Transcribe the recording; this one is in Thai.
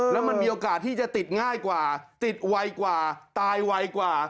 แล้วมันมีโอกาสที่จะติดง่ายกว่าติดไวกว่าตายไวกว่า